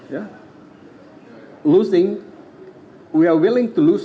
kalah kami ingin kalah kalau itu adil